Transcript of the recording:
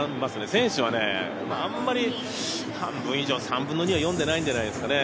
選手はもあんまり、半分以上、３分の２は読んでないんじゃないですかね。